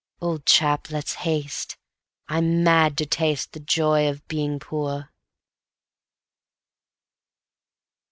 . Old chap, let's haste, I'm mad to taste the Joy of Being Poor.